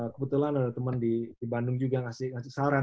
kebetulan ada teman di bandung juga ngasih saran